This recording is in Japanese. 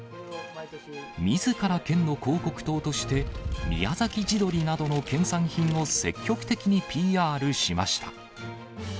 みずから県の広告塔として、宮崎地鶏などの県産品を積極的にＰＲしました。